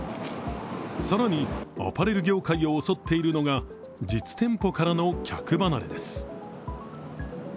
更に、アパレル業界を襲っているのが実店舗からの客離れです。